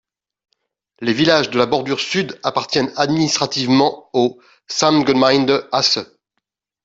Les villages de la bordure sud appartiennent administrativement au Samtgemeinde Asse.